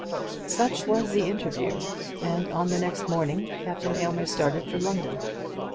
Such was the interview; and on the next morning Captain Aylmer started for London.